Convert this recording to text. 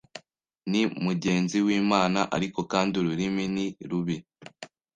ni mugenzi w’Imana ariko kandi ururimi ni rubi